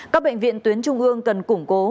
các bệnh viện tuyến trung ương cần củng cố